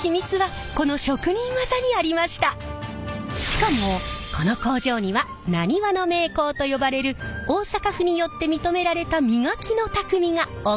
しかもこの工場にはなにわの名工と呼ばれる大阪府によって認められた磨きのタクミがお二人在籍。